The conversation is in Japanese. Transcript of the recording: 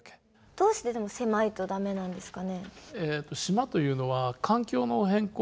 どうしてでも狭いと駄目なんですかね？